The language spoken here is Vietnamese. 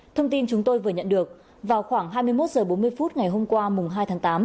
thông tin chúng tôi vừa nhận được vào khoảng hai mươi một h bốn mươi phút ngày hôm qua mùng hai tháng tám